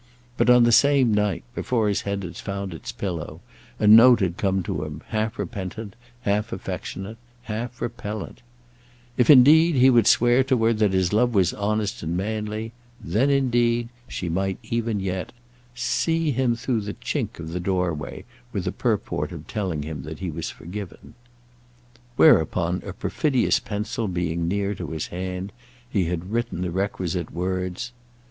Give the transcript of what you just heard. But on the same night, before his head had found its pillow, a note had come to him, half repentant, half affectionate, half repellent, "If, indeed, he would swear to her that his love was honest and manly, then, indeed, she might even yet, see him through the chink of the doorway with the purport of telling him that he was forgiven." Whereupon, a perfidious pencil being near to his hand, he had written the requisite words.